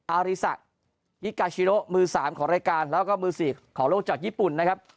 อาริสะอิกาชิโรมือ๓ของรายการแล้วก็มือ๔ของโลกจากญี่ปุ่นนะครับ